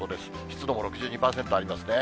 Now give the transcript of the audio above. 湿度も６２％ありますね。